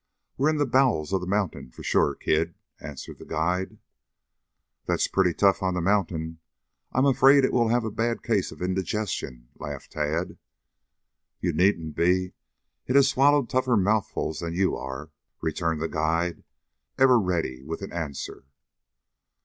We're in the bowels of the mountain for sure, kid," answered the guide. "That's pretty tough on the mountain. I'm afraid it will have a bad case of indigestion," laughed Tad. "You needn't be. It has swallowed tougher mouthfuls than you are," returned the guide, ever ready with an answer.